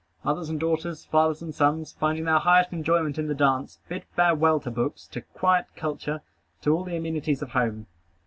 Mothers and daughters, fathers and sons, finding their highest enjoyment in the dance, bid farewell to books, to quiet culture, to all the amenities of home.